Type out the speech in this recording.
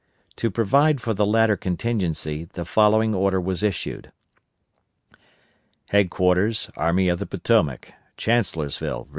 To provide for the latter contingency the following order was issued: HEADQUARTERS ARMY OF THE POTOMAC CHANCELLORSVILLE, Va.